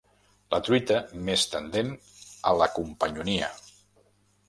La truita més tendent a la companyonia.